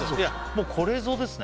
もうこれぞですね